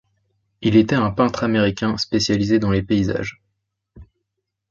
Il était un peintre américain spécialisé dans les paysages.